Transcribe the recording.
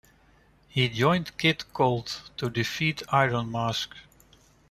He joined Kid Colt to defeat Iron Mask.